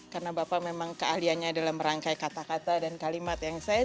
karena bapak memang keahliannya dalam rangkai kata kata dan kalimat yang saya